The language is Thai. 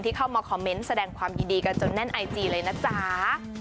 เข้ามาคอมเมนต์แสดงความยินดีกันจนแน่นไอจีเลยนะจ๊ะ